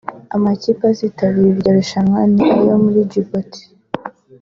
Amakipe azitabira iryo rushanwa ni ayo muri Djibouti